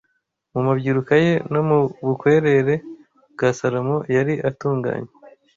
Mu mabyiruka ye no mu bukwerere bwa Salomo yari atunganye,